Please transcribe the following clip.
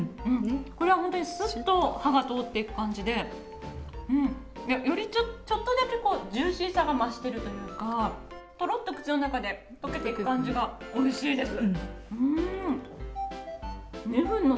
これは、本当にすっと歯が通っていく感じでよりちょっとだけジューシーさが増しているというかとろっと口の中で溶けていく感じがおいしいです。